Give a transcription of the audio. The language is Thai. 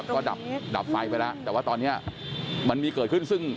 ก็ดับไฟไปแล้วแต่ว่าตอนนี้มันมีเกิดขึ้นซึ่ง